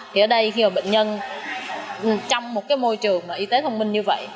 thì ở đây khi bệnh nhân trong một môi trường y tế thông minh như vậy